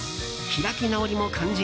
開き直りも肝心？